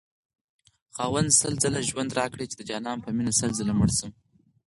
خاونده سل ځله ژوند راكړې چې دجانان په مينه سل ځله مړشمه